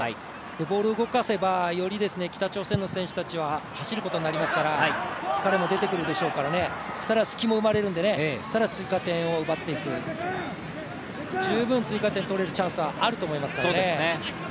ボール動かせばより北朝鮮の選手たちは走ることになりますから疲れも出てくるでしょうから、そうしたら隙も生まれるんで、したら追加点を奪っていく、十分追加点を取れるチャンスはあると思いますからね。